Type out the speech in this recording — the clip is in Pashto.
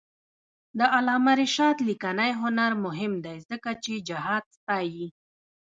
د علامه رشاد لیکنی هنر مهم دی ځکه چې جهاد ستايي.